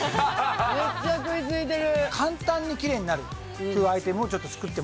めっちゃ食いついてる。